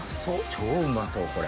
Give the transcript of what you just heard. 超うまそうこれ。